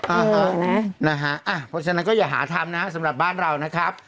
โอ้โฮนะฮะอ่ะเพราะฉะนั้นก็อย่าหาทำนะสำหรับบ้านเรานะครับ